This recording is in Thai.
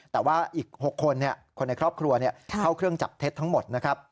แต่ว่าอีก๖คนคนในครอบครัวเข้าเครื่องจับเท็จทั้งหมดนะครับ